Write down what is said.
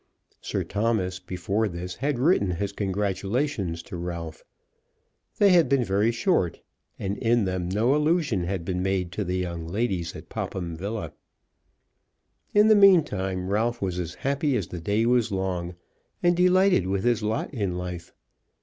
Sir Thomas before this had written his congratulations to Ralph. They had been very short, and in them no allusion had been made to the young ladies at Popham Villa. In the meantime Ralph was as happy as the day was long, and delighted with his lot in life.